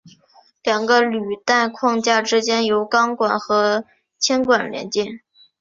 两个履带框架之间由钢管和铅管连接。